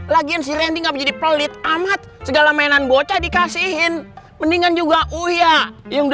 lagian si randy nggak jadi pelit amat segala mainan bocah dikasihin mendingan juga uya yang